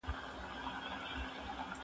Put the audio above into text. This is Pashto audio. زه اجازه لرم چي سبزیجات جمع کړم؟